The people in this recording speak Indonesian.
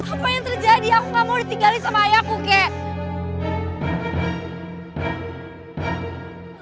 apa yang terjadi aku gak mau ditinggali sama ayahku kek